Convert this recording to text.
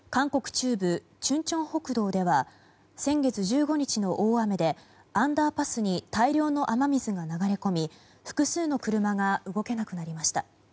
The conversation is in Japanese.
中部チュンチョン北道では先月１５日の大雨でアンダーパスに大量の雨水が流れ込み複数の車が動けなくなりました。